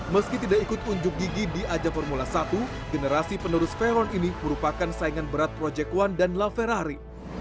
meski tidak ikut unjuk gigi di ajang formula satu generasi penerus veron ini merupakan saingan berat project one dan la ferrari